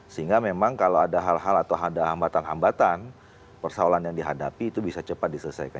sehingga memang kalau ada hal hal atau ada hambatan hambatan persoalan yang dihadapi itu bisa cepat diselesaikan